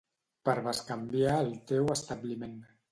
Per bescanviar al teu establiment